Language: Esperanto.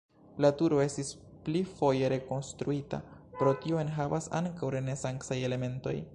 La turo estis pli foje rekonstruita, pro tio enhavas ankaŭ renesancaj elementoj.